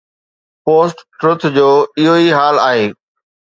Post-Truth جو اهو ئي حال آهي.